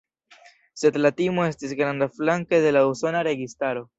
Sed la timo estis granda flanke de la usona registaro.